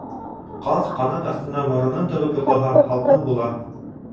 Ҡаҙ ҡанат аҫтына моронон тығып йоҡлаһа, һалҡын була.